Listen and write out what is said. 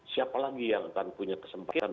siapa lagi yang akan punya kesempatan